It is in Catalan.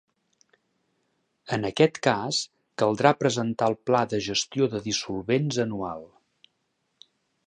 En aquest cas, caldrà presentar el pla de gestió de dissolvents anual.